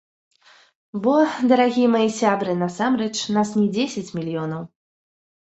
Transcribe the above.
Бо, дарагія мае сябры, насамрэч нас не дзесяць мільёнаў.